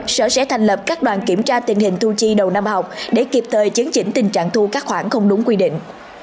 sở sẽ thành lập các đoàn kiểm tra tình hình thu chi đầu năm học để kịp thời chấn chỉnh tình trạng thu các khoản không đúng quy định